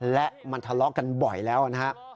และมันทะเลาะกันบ่อยแล้วนะฮะ